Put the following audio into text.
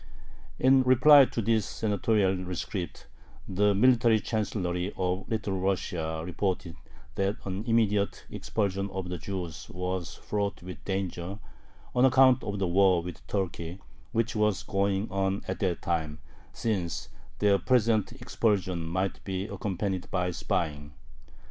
In reply to this Senatorial rescript, the Military Chancellery of Little Russia reported that an immediate expulsion of the Jews was fraught with danger, on account of the war with Turkey, which was going on at that time, "since their present expulsion might be accompanied by spying."